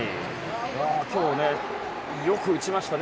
今日、よく打ちましたね。